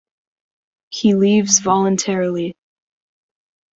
He leaves voluntarily.